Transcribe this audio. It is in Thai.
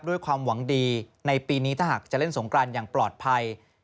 ด้วยความหวังดีในปีนี้ถ้าหากจะเล่นสงกรานอย่างปลอดภัย